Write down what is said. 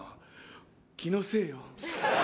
気のせいよ。